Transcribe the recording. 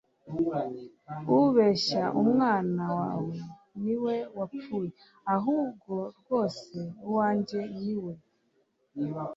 ubeshya! umwana wawe ni we wapfuye, ahubwo rwose uwange ni we